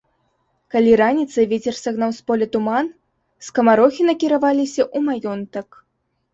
Калі раніцай вецер сагнаў з поля туман, скамарохі накіраваліся ў маёнтак.